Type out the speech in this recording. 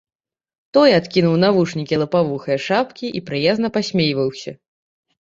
Той адкінуў навушнікі лапавухае шапкі і прыязна пасмейваўся.